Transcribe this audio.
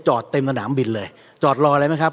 เต็มสนามบินเลยจอดรออะไรไหมครับ